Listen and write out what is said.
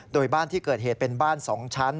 โดยบ้านที่เกิดเหตุเป็นบ้าน๒ชั้น